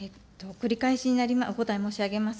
繰り返し、お答え申し上げます。